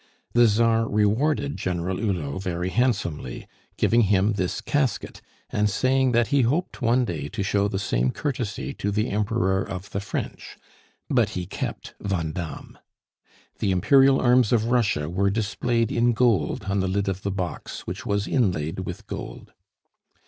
The Czar rewarded General Hulot very handsomely, giving him this casket, and saying that he hoped one day to show the same courtesy to the Emperor of the French; but he kept Vandamme. The Imperial arms of Russia were displayed in gold on the lid of the box, which was inlaid with gold.